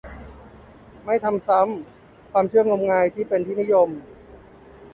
ไม่ทำซ้ำ ความเชื่องมงายที่เป็นที่นิยม